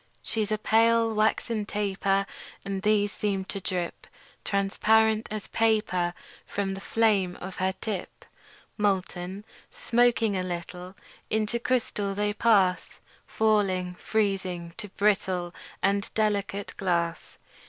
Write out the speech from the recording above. She's a pale, waxen taper; And these seem to drip Transparent as paper From the flame of her tip. Molten, smoking a little, Into crystal they pass; Falling, freezing, to brittle And delicate glass.